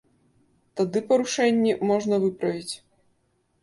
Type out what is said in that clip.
Тады парушэнні можна выправіць.